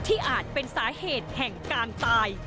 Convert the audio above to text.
อาจเป็นสาเหตุแห่งการตาย